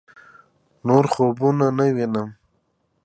نور خوبونه نه وينم